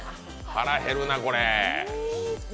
腹減るな、これ。